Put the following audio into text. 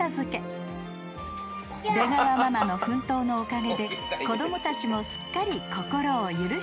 ［出川ママの奮闘のおかげで子供たちもすっかり心を許した様子］